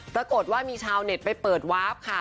ปรากฏว่ามีชาวเน็ตไปเปิดวาร์ฟค่ะ